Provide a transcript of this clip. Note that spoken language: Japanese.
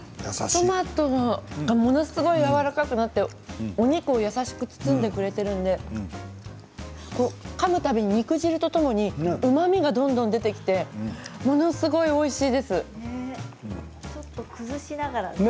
トマトがすごくやわらかくなってお肉を優しく包んでくれているのでかむたびに肉汁とともにうまみがどんどん出てきてちょっと崩しながら。